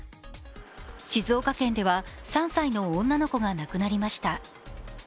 静岡県では３歳の女の子が亡くなりました。